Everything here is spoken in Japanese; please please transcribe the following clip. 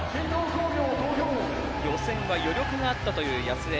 予選は余力があったという安江。